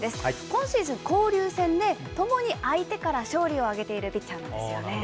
今シーズン、交流戦でともに相手から勝利を挙げているピッチャーなんですよね。